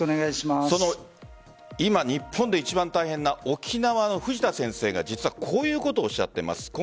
今、日本で一番大変な沖縄の藤田先生が実はこういうことをおっしゃっています。